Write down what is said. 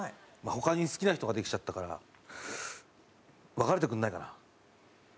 他に好きな人ができちゃったから別れてくれないかな？